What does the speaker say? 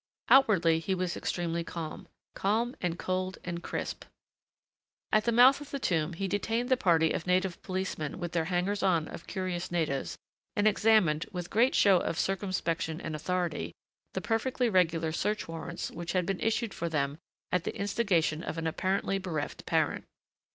Outwardly he was extremely calm. Calm and cold and crisp. At the mouth of the tomb he detained the party of native policemen with their hangers on of curious natives and examined, with great show of circumspection and authority, the perfectly regular search warrants which had been issued for them at the instigation of an apparently bereft parent.